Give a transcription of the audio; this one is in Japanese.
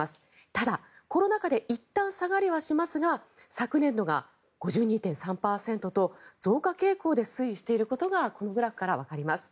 ただ、コロナ禍でいったん下がりはしますが昨年度が５２．３％と増加傾向で推移していることがこのグラフからわかります。